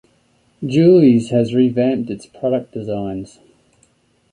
Julie’s has revamped its product designs.